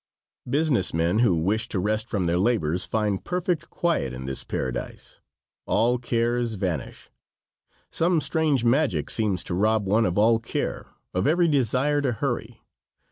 Business men who wish to rest from their labors find perfect quiet in this paradise. All cares vanish. Some strange magic seems to rob one of all care, of every desire to hurry.